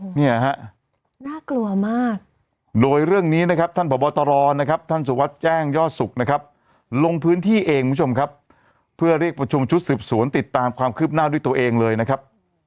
หรือหลังจากนั้นก็งัดปืนแล้วยิงใส่กันนะครับ